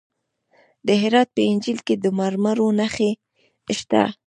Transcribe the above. د هرات په انجیل کې د مرمرو نښې شته.